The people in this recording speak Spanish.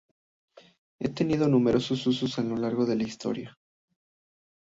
Ha tenido numerosos usos a lo largo de la historia.